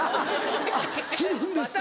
あっつるんですか。